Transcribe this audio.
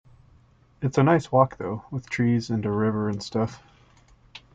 It's a nice walk though, with trees and a river and stuff.